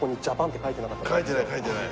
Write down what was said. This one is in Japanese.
書いてない書いてない。